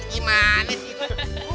gimana sih itu